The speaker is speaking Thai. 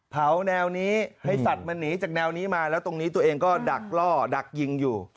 แนวนี้ให้สัตว์มันหนีจากแนวนี้มาแล้วตรงนี้ตัวเองก็ดักล่อดักยิงอยู่